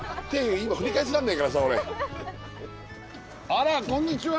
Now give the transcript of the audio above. あらこんにちは。